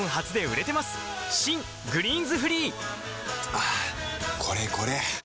はぁこれこれ！